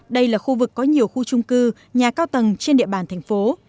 đây là khu vực có nhiều khu trung cư nhà cao tầng trên địa bàn thành phố